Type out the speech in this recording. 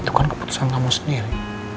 itu kan keputusan kamu sendiri